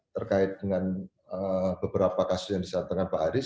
terkait dengan beberapa kasus yang disatukan pak arief